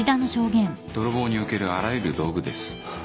泥棒におけるあらゆる道具です。